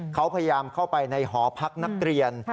เขาพยายามเข้าไปในหอพักนักเรียน